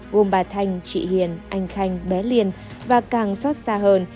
gồm bà thanh chị hiền anh khanh bé liên và càng xót xa hơn